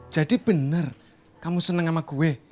jadi bener kamu seneng sama gue